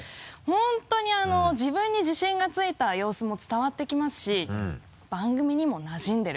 本当に自分に自信がついた様子も伝わってきますし番組にもなじんでる。